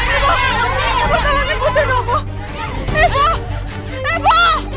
ibu ibu tolong ibu tolong ibu